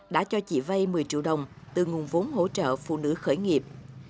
đã cho chị vây một mươi triệu đồng từ nguồn vốn hỗ trợ phụ nữ khởi nghiệp